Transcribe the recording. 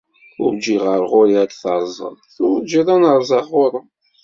Urǧiɣ ar ɣur-i ad d-terrẓeḍ, turǧiḍ ad n-rrẓeɣ ɣur-m.